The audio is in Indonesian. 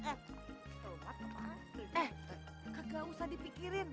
eh kagak usah dipikirin